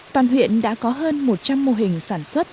toàn huyện đã có hơn một trăm linh mô hình sản xuất